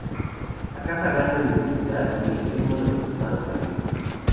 La caza gana en intensidad y el ritmo de los disparos se aviva.